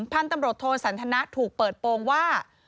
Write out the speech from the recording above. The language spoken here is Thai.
พันธุ์ตำรวจโทสันทนะถูกเปิดโปรงว่า